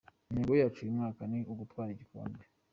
Intego yacu uyu mwaka ni ugutwara igikombe.